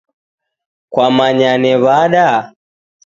Kwamanye w'ada?